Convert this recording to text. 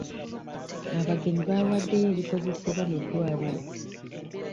Abagenyi baawaddeyo ebikozesebwa mu ddwaliro.